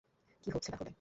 কী হচ্ছে তাহলে?